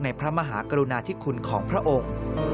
พระมหากรุณาธิคุณของพระองค์